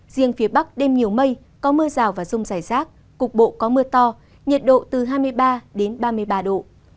riêng phía bắc đêm nhiều mây có mưa rào và rông rải rác cục bộ có mưa to nhiệt độ từ hai mươi ba đến ba mươi ba độ